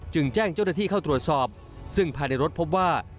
แจ้งเจ้าหน้าที่เข้าตรวจสอบซึ่งภายในรถพบว่า